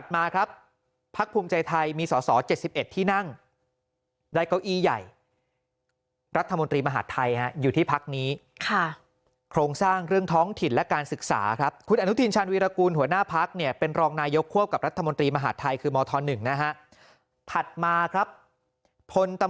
มาครับพักภูมิใจไทยมีสอสอ๗๑ที่นั่งได้เก้าอี้ใหญ่รัฐมนตรีมหาดไทยอยู่ที่พักนี้โครงสร้างเรื่องท้องถิ่นและการศึกษาครับคุณอนุทินชาญวีรกูลหัวหน้าพักเนี่ยเป็นรองนายกควบกับรัฐมนตรีมหาดไทยคือมธ๑นะฮะถัดมาครับพลต